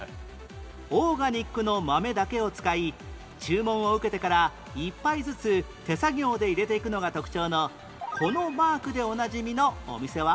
オーガニックの豆だけを使い注文を受けてから１杯ずつ手作業でいれていくのが特徴のこのマークでおなじみのお店は？